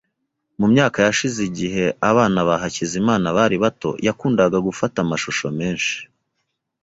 Mu myaka yashize, igihe abana ba Hakizimana bari bato, yakundaga gufata amashusho menshi.